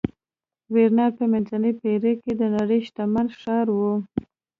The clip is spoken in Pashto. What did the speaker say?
وینز په منځنۍ پېړۍ کې د نړۍ شتمن ښار و